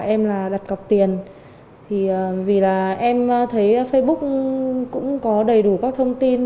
em là đặt cọc tiền vì em thấy facebook cũng có đầy đủ các thông tin